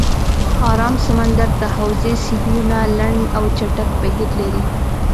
آرام سمندر د حوزې سیندونه لنډ او چټک بهیر لري.